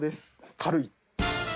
軽い。